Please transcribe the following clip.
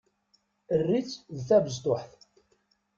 Err-itt d tabesṭuḥt.